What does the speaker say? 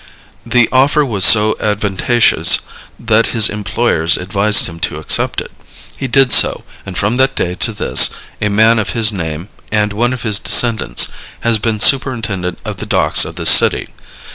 The offer was so advantageous that his employers advised him to accept it. He did so, and from that day to this a man of his name, and one of his descendants, has been superintendent of the docks of this city.